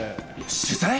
取材？